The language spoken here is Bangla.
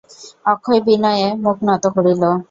অক্ষয় বিনয়ে মুখ নত করিল।